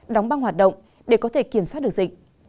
đóng băng hoạt động để có thể kiểm soát được dịch